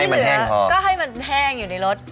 ให้มันแห้งพอที่เหลือก็ให้มันแห้งอยู่ในรถ